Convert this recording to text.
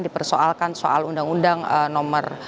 dipersoalkan soal undang undang nomor